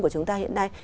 của chúng ta hiện nay